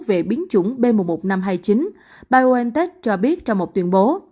về biến chủng b một một năm trăm hai mươi chín biontech cho biết trong một tuyên bố